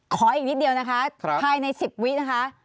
ขออีกนิดเดียวนะคะภายใน๑๐วินะคะ